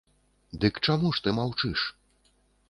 Дык чаму ж ты маўчыш?